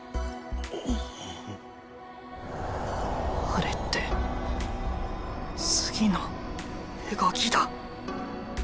あれって次の動きだ。